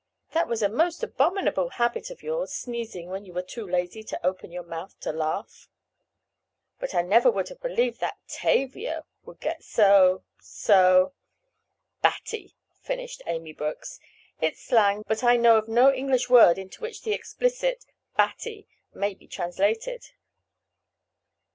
"That was a most abominable habit of yours—sneezing when you were too lazy to open your mouth to laugh." "But I never would have believed that Tavia would get so—so—" "Batty," finished Amy Brooks. "It's slang, but I know of no English word into which the explicit 'batty' may be translated."